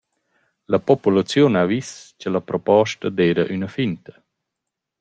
La populaziun ha vis cha la proposta d’eira üna finta.